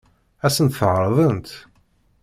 Ad sent-t-ɛeṛḍent?